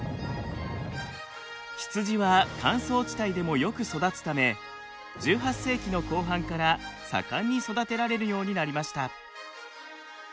羊は乾燥地帯でもよく育つため１８世紀の後半から盛んに育てられるようになりました。